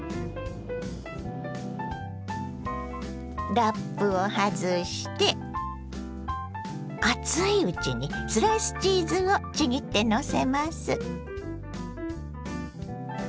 ラップを外して熱いうちにスライスチーズをちぎってのせます。